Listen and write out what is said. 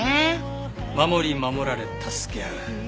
守り守られ助け合う。